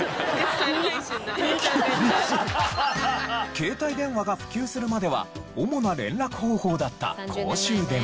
携帯電話が普及するまでは主な連絡方法だった公衆電話。